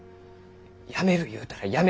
やめる言うたらやめる。